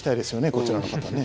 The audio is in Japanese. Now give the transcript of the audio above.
こちらの方ね。